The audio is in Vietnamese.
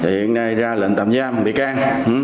hiện nay ra lệnh tạm giam bị can